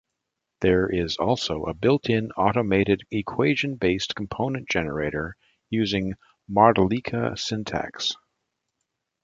There is also a built-in automated equation based component generator using Modelica syntax.